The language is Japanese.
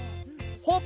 ほっ！